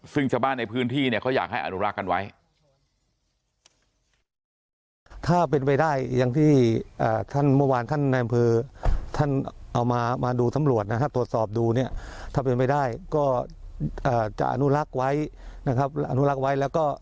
ซึ่งชาวบ้านในพื้นที่เนี่ยเขาอยากให้อนุรักษ์กันไว้